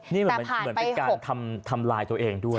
นี่เหมือนเป็นการทำลายตัวเองด้วย